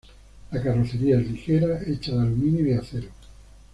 La carrocería es ligera, hecha de aluminio y acero.